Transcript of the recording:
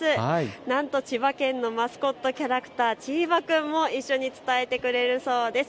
なんと千葉県のマスコットキャラクター、チーバくんも一緒に伝えてくれるそうです。